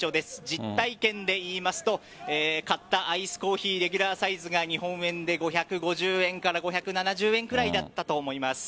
実体験でいいますと買ったアイスコーヒーレギュラーサイズが日本円で５５０円から５７０円くらいだったと思います。